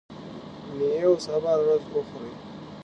ميوې او سابه هره ورځ وخورئ.